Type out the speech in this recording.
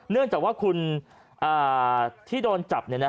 เนื่องจากว่าคุณที่โดนจับ